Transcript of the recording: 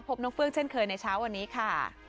พบน้องเฟืองเช่นเคยในเช้าวันนี้ค่ะ